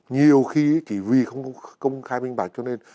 nhiều khi chỉ vì không công khai minh bạch cho nên